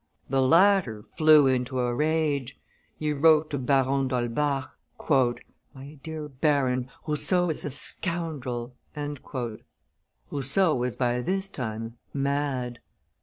The latter flew into a rage; he wrote to Baron d'Holbach: "My dear Baron, Rousseau is a scoundrel." Rousseau was by this time mad.